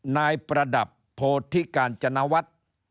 ประดับโพธิกาญจนวัฒน์